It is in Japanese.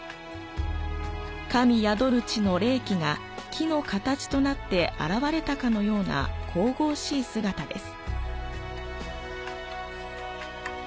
神宿る地の霊気が木の形となって現れたかのような神々しい姿です。